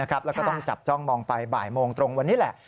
แล้วก็ต้องจับจ้องมองไปบ่ายโมงตรงวันนี้แหละ